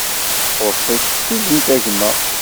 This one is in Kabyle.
Txuṣ-ik tsugint a gma